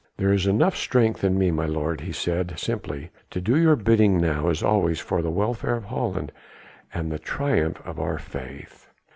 "There is enough strength in me, my lord," he said simply, "to do your bidding now as always for the welfare of Holland and the triumph of our faith."